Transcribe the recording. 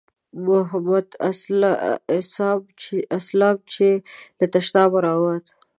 محمد اسلام چې له تشنابه راووت.